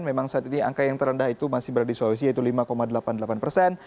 memang saat ini angka yang terendah itu masih berada di sulawesi yaitu lima delapan puluh delapan persen